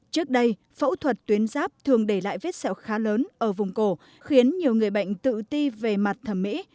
trước đây phẫu thuật tuyến giáp thường để lại vết sẹo khá lớn ở vùng cổ khiến nhiều người bệnh tự ti về mặt thẩm mỹ